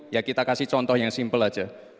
ya kita kasih contoh yang simpel aja